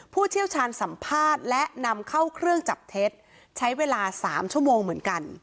ผู้เชี่ยวชาญสัมภาษณ์และนำเข้าเครื่องจับเท็จใช้เวลา๓ชั่วโมงเหมือนกัน